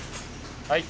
はい。